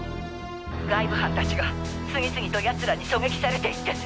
外部班達が次々と奴らに狙撃されていて。